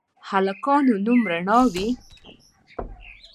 هلکانو نوم رڼا وي